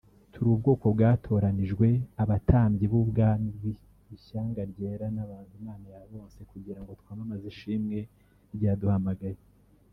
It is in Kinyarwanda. turi ubwoko bwatoranijwe abatambyi b’Ubwami ishyanga ryera n’abantu Imana yaronse kugira ngo twamamaze ishimwe ry’Iyaduhamagaye